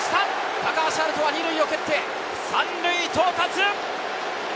高橋遥人は２塁を蹴って３塁到達！